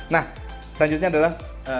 nah selanjutnya adalah